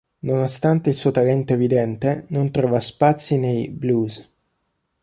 Nonostante il suo talento evidente non trova spazi nei "Blues.